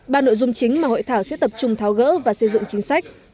ba nội dung chính mà hội thảo sẽ tập trung tháo gỡ và xây dựng chính sách